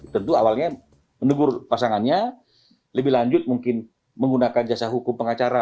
tentu awalnya menegur pasangannya lebih lanjut mungkin menggunakan jasa hukum pengacara